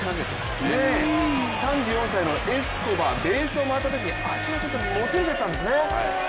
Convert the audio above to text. ３４歳のエスコバー、ベースを回ったときに足がちょっともつれちゃったんですね。